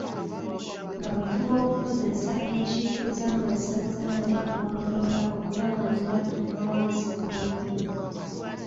Baakufuba okukozesa enkiiko z'amasaza n'eggombolola okulaba nti batuuka wansi ku bantu.